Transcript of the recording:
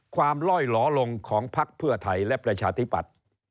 ความลอยหล่อลงของภักษ์เพื่อไทยและประชาธิบัติ